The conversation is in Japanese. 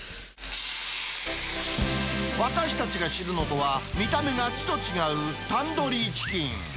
私たちが知るのとは見た目がちと違うタンドーリチキン。